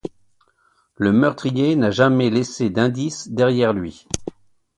Le meurtrier n'a jamais laissé d'indices derrière lui.